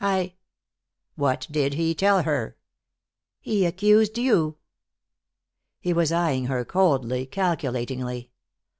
I " "What did he tell her?" "He accused you." He was eyeing her coldly, calculatingly.